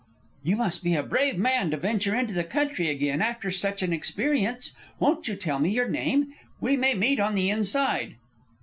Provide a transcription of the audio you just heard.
"You must be a brave man to venture into the country again after such an experience. Won't you tell me your name? We may meet on the Inside."